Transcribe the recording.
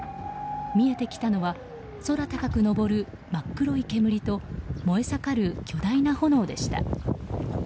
見えてきたのは空高く上る真っ黒い煙と燃え盛る巨大な炎でした。